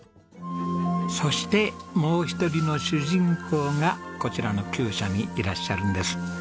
そしてもう１人の主人公がこちらの厩舎にいらっしゃるんです。